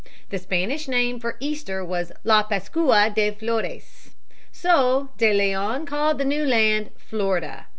The Spanish name for Easter was La Pascua de los Flores. So De Leon called the new land Florida.